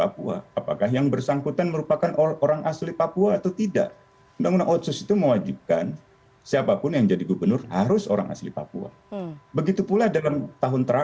bukan kepentingan orang asli papua